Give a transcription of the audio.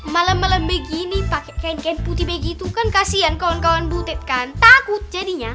malam malam begini pakai kain kain putih begitu kan kasihan kawan kawan butet kan takut jadinya